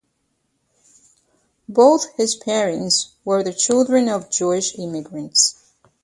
Both his parents were the children of Jewish immigrants.